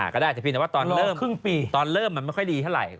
ก็ได้เฉพีแต่ว่าตอนเริ่มมันไม่ค่อยดีเท่าไหร่